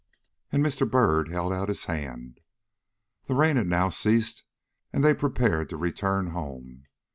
And Mr. Byrd held out his hand. The rain had now ceased and they prepared to return home.